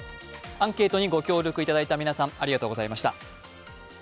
アンケートにご協力いただいた皆さん、ありがとうございました。